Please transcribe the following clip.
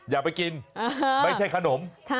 อย่าไปกินไม่ใช่ขนม